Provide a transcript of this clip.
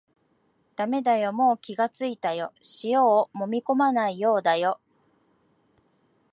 だめだよ、もう気がついたよ、塩をもみこまないようだよ